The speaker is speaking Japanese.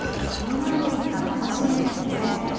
そうなんですか楽しみですね。